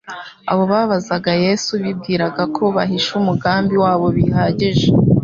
Abo babazaga Yesu bibwiraga ko bahishe umugambi wabo bihagije;